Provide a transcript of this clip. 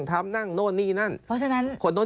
ทำไมคนอื่นไม่รู้เรื่อง